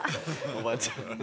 おばちゃん。